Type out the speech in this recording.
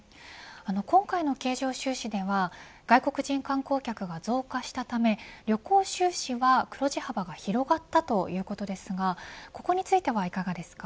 今回の経常収支では外国人観光客が増加したため旅行収支は黒字幅が広がったということですがここについてはいかがですか。